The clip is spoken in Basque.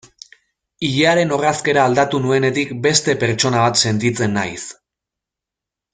Ilearen orrazkera aldatu nuenetik beste pertsona bat sentitzen naiz.